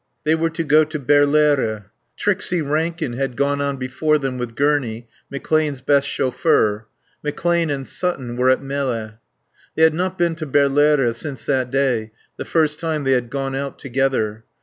They were to go to Berlaere. Trixie Rankin had gone on before them with Gurney, McClane's best chauffeur. McClane and Sutton were at Melle. They had not been to Berlaere since that day, the first time they had gone out together.